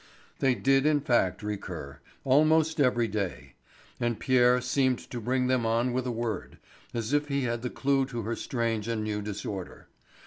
They did in fact recur, almost every day; and Pierre seemed to bring them on with a word, as if he had the clew to her strange and new disorder.